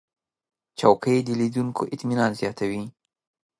چوکۍ د لیدونکو اطمینان زیاتوي.